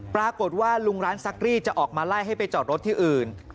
ปรากฏว่าลุงร้านซักรีจะออกมาไล่ให้ไปจอดรถที่อื่น